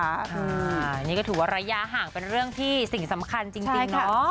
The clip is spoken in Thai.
อันนี้ก็ถือว่าระยะห่างเป็นเรื่องที่สิ่งสำคัญจริงเนาะ